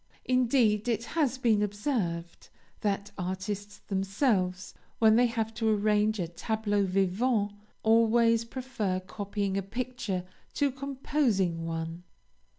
Indeed, it has been observed, that artists themselves, when they have to arrange a tableau vivant, always prefer copying a picture to composing one.